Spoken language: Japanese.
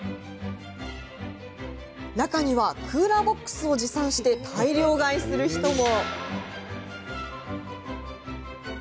中には、クーラーボックスを持参して、大量買いする人も。